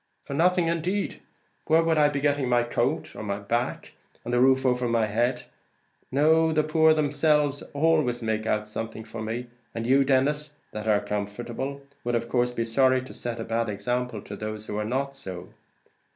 "For nothing indeed! Where would I be getting the coat on my back, and the roof over my head? no, the poor themselves always make out something for me; and you, Denis, that are comfortable, would of course be sorry to set a bad example to those that are not so."